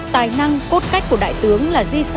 tài năng cốt cách của đại tướng là di sản vô cùng quý giá